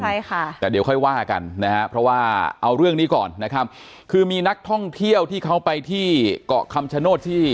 ใช่ค่ะแต่เดี๋ยวค่อยว่ากันนะฮะเพราะว่าเอาเรื่องนี้ก่อนนะครับคือมีนักท่องเที่ยวที่เขาไปที่เกาะคำชโนธที่